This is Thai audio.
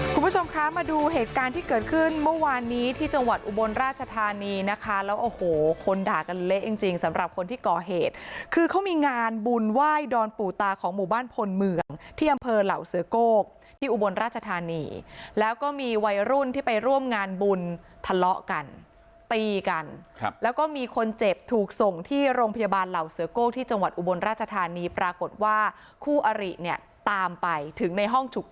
คุณผู้ชมค่ะมาดูเหตุการณ์ที่เกิดขึ้นเมื่อวานนี้ที่จังหวัดอุบลราชธานีนะคะแล้วโอ้โหคนด่ากันเละจริงจริงสำหรับคนที่ก่อเหตุคือเขามีงานบุญไหว้ดอนปู่ตาของหมู่บ้านพลเมืองที่อำเภอเหล่าเสือโกกที่อุบลราชธานีแล้วก็มีวัยรุ่นที่ไปร่วมงานบุญทะเลาะกันตีกันแล้วก็มีคนเจ็บถูกส่งที่โรงพ